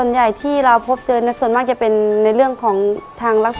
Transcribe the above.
ในแคมเปญพิเศษเกมต่อชีวิตโรงเรียนของหนู